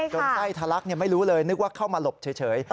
ไส้ทะลักไม่รู้เลยนึกว่าเข้ามาหลบเฉย